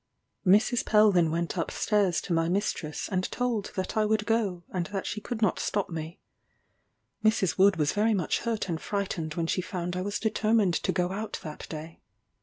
Mrs. Pell then went up stairs to my mistress, and told that I would go, and that she could not stop me. Mrs. Wood was very much hurt and frightened when she found I was determined to go out that day.